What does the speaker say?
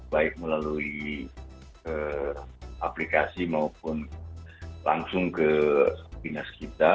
baik melalui aplikasi maupun langsung ke dinas kita